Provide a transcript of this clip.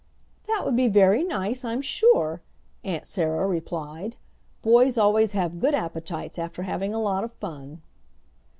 "That would be very nice, I'm sure," Aunt Sarah replied; "boys always have good appetites after having a lot of fun."